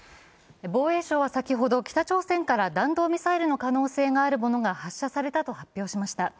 防衛省は先ほど、北朝鮮から弾道ミサイルの可能性があるものが発射されたと発表しました。